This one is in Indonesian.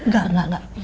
gak gak gak